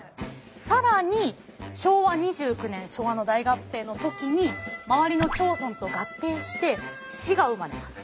更に昭和２９年昭和の大合併の時に周りの町村と合併して市が生まれます。